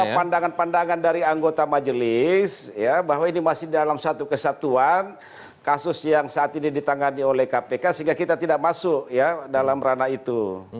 jadi semua pandangan pandangan dari anggota majelis ya bahwa ini masih dalam satu kesatuan kasus yang saat ini ditangani oleh kpk sehingga kita tidak masuk ya dalam ranah itu